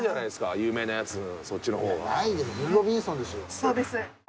そうです。